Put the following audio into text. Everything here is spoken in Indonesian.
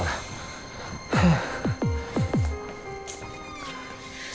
saya juga kaget pak bos